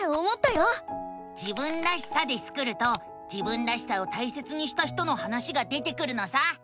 「自分らしさ」でスクると自分らしさを大切にした人の話が出てくるのさ！